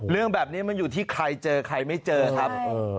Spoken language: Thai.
เรื่องแบบนี้มันอยู่ที่ใครเจอใครไม่เจอครับ